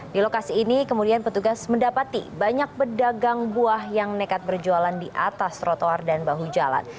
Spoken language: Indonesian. di lokasi ini kemudian petugas mendapati banyak pedagang buah yang nekat berjualan di atas trotoar dan bahu jalan